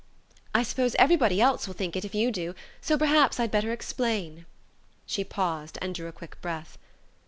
"I suppose everybody else will think it if you do; so perhaps I'd better explain." She paused, and drew a quick breath.